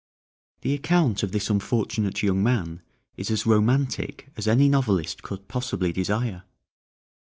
The account of this unfortunate young man is as romantic as any novelist could possibly desire.